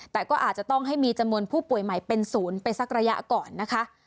แต่ก็อาจจะต้องให้มีจำนวนผู้ป่วยใหม่เป็นศูนย์ไปสักระยะก่อนนะคะ